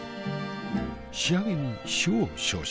仕上げに塩を少々。